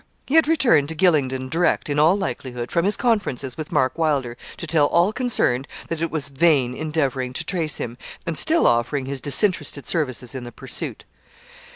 He had returned to Gylingden, direct, in all likelihood, from his conferences with Mark Wylder, to tell all concerned that it was vain endeavouring to trace him, and still offering his disinterested services in the pursuit.